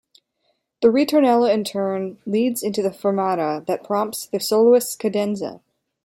The ritornello in turn leads into a fermata that prompts the soloist's cadenza.